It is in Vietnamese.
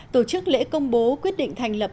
tổ chức lễ công bố quyết định thành lập